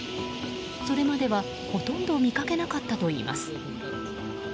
それまでは、ほとんど見かけなかったといいます。